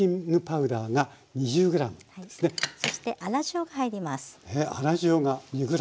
そして粗塩が入ります。